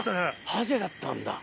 ハゼだったんだ。